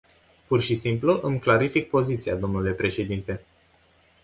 Pur și simplu îmi clarific poziția, dle președinte.